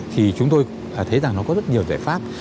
thì chúng tôi thấy rằng nó có rất nhiều giải pháp